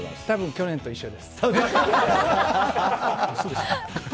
たぶん去年と一緒です。